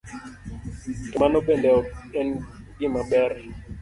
To mano bende ok en gima ber.